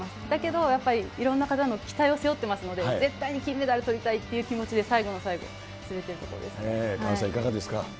だけどやっぱり、いろんな方の期待を背負ってますので、絶対に金メダルとりたいっていう気持ちで最後の最後、滑っている萱野さん、いかがですか。